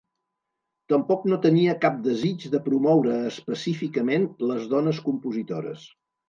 Tampoc no tenia cap desig de promoure específicament les dones compositores.